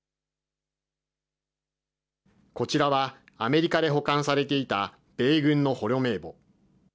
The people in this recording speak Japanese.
こちらはアメリカで保管されていた米軍の捕虜名簿。